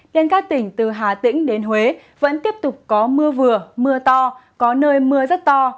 nên các tỉnh từ hà tĩnh đến huế vẫn tiếp tục có mưa vừa mưa to có nơi mưa rất to